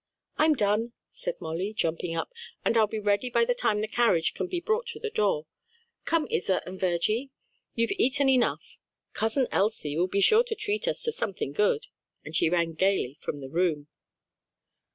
"I'm done," said Molly, jumping up, "and I'll be ready by the time the carriage can be brought to the door. Come Isa and Virgy, you've eaten enough. Cousin Elsie will be sure to treat us to something good." And she ran gayly from the room.